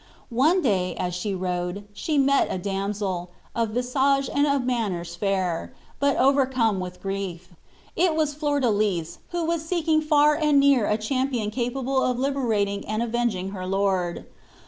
One day, as she rode, she met a damsel, of visage and of manners fair, but overcome with grief. It was Flordelis, who was seeking far and near a champion capable of liberating and avenging her lord.